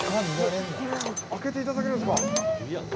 開けて頂けるんですか？